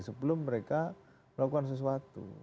sebelum mereka melakukan sesuatu